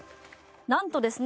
なんとですね